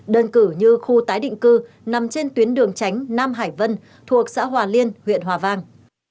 đơn cử như khu tái định cư nằm trên tuyến đường tránh nam hải vân thuộc xã hòa liên huyện hòa vang